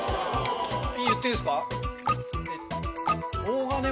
言っていいですか？